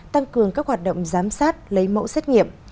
tăng cường các hoạt động giám sát lấy mẫu xét nghiệm